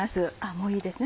もういいですね